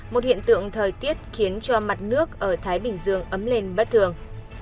một hiện tượng thời tiết khiến cho mặt nước ở thái bình dương ấm lên bất thường